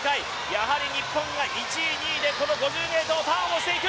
やはり日本が１位、２位でこの５０ｍターンしていく。